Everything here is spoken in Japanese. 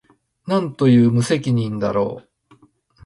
何という無責任だろう